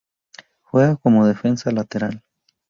Juega como Defensa lateral.